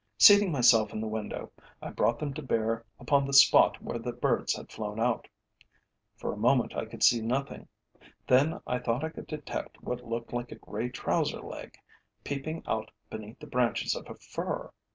Seating myself in the window, I brought them to bear upon the spot where the birds had flown out. For a moment I could see nothing. Then I thought I could detect what looked like a grey trouser leg, peeping out beneath the branches of a fir.